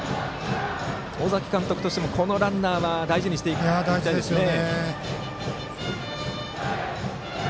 尾崎監督としてもこのランナーは大事にしていきたいですね。